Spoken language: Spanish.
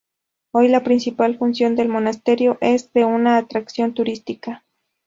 Hoy la principal función del monasterio es de una atracción turística.